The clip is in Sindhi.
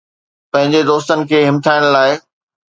پنهنجن دوستن کي همٿائڻ لاءِ